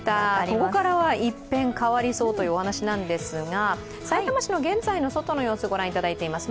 ここからは一変、変わりそうというお話なんですがさいたま市の現在の外の様子を御覧いただいています。